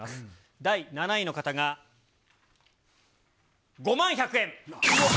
第７位の方が、５万１００円。